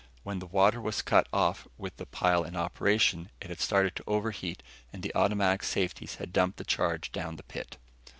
When the water was cut off with the pile in operation, it had started to overheat and the automatic safeties had dumped the charge down the pit.